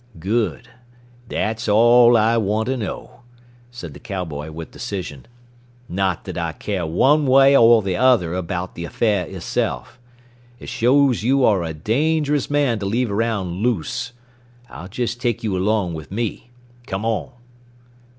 "Good. That's all I want to know," said the cowboy with decision. "Not that I care one way or the other about the affair itself. It shows you are a dangerous man to leave around loose. I'll just take you along with me. Come on!"